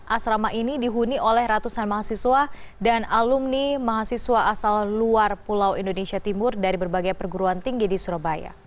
asrama ini dihuni oleh ratusan mahasiswa dan alumni mahasiswa asal luar pulau indonesia timur dari berbagai perguruan tinggi di surabaya